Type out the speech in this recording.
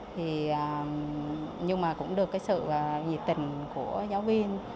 thì nhưng mà cũng được cái sự nhiệt tình của giáo viên